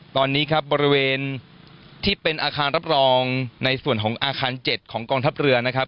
ตอนนี้ครับบริเวณที่เป็นอาคารรับรองในส่วนของอาคาร๗ของกองทัพเรือนะครับ